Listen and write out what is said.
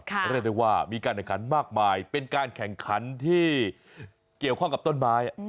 เรียกได้ว่ามีการแข่งขันมากมายเป็นการแข่งขันที่เกี่ยวข้องกับต้นไม้